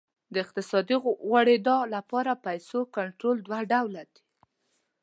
د اقتصادي غوړېدا لپاره پیسو کنټرول دوه ډوله دی.